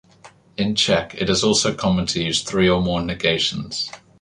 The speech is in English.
In Czech it is also common to use three or more negations.